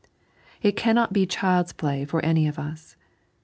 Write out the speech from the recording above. It cannot be child's play for any of US.